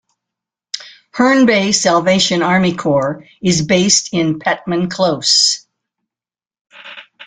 Herne Bay Salvation Army Corps is based in Pettman Close.